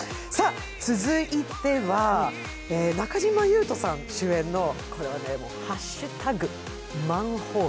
続いては、中島裕翔さん主演のこれはね、「＃マンホール」。